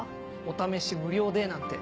お試し無料でなんて。